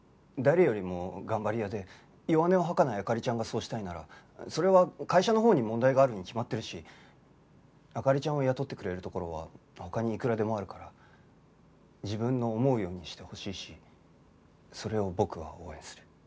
誰よりも頑張り屋で弱音を吐かない灯ちゃんがそうしたいならそれは会社のほうに問題があるに決まってるし灯ちゃんを雇ってくれるところは他にいくらでもあるから自分の思うようにしてほしいしそれを僕は応援する。